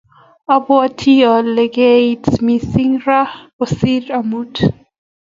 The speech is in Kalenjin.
Abwoti ale kaitit mising raini kosiir amut